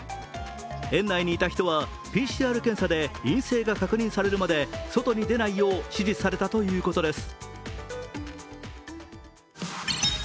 園内にいた人は、ＰＣＲ検査で陰性が確認されるまで外に出ないよう指示されたということです。